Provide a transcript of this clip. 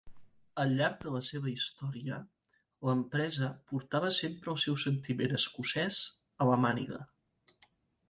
Al llarg de la seva història, l'empresa portava sempre el seu sentiment escocès a la màniga.